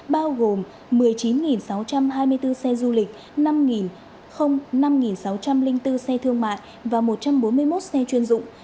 bao gồm một mươi chín sáu trăm hai mươi bốn xe du lịch năm năm sáu trăm linh bốn xe thương mại và một trăm bốn mươi một xe chuyên dụng